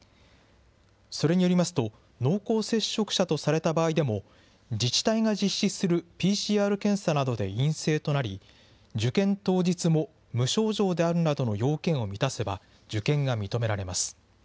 それによりますと、濃厚接触者とされた場合でも自治体が実施するＰＣＲ検査などで陰性となり、受験当日も無症状であるなどの要件を満たせば、受験が認められます。